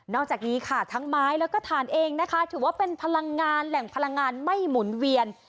อกจากนี้ค่ะทั้งไม้แล้วก็ฐานเองนะคะถือว่าเป็นพลังงานแหล่งพลังงานไม่หมุนเวียน